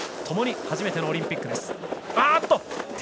ともに初めてのオリンピック。